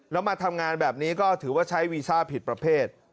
แล้วมาทำงานแบบนี้ก็ถือว่าใช้วีซ่าผิดประเภท